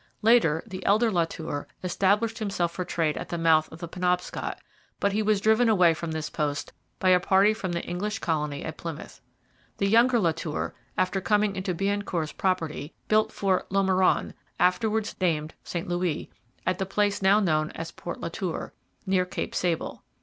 Later, the elder La Tour established himself for trade at the mouth of the Penobscot, but he was driven away from this post by a party from the English colony at Plymouth. The younger La Tour, after coming into Biencourt's property, built Fort Lomeron, afterwards named St Louis, at the place now known as Port Latour, near Cape Sable.